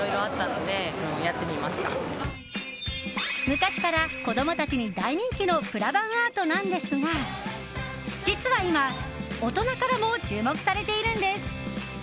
昔から子供たちに大人気のプラバンアートなんですが実は今、大人からも注目されているんです。